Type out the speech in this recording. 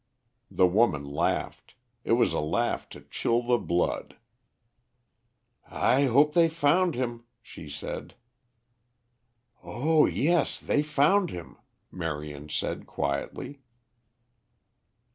The woman laughed. It was a laugh to chill the blood. "I hope they found him," she said. "Oh, yes, they found him," Marion said quietly.